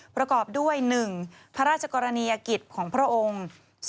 ประกอบด้วย๑พระราชกรณียกิจของพระองค์